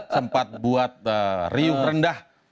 sempat buat riuk rendah